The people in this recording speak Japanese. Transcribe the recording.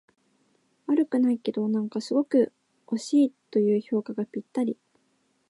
悪くないけど、なんかすごく惜しいという評価がぴったり